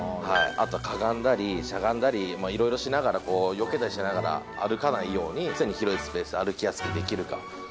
あとはかがんだりしゃがんだりいろいろよけたりしながら歩かないように常に広いスペース歩きやすくできるか。